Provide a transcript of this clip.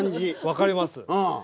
分かります。